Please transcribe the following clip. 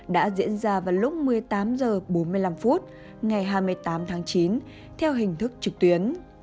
đã diễn ra vào lúc một mươi tám h bốn mươi năm phút ngày hai mươi tám tháng chín theo hình thức trực tuyến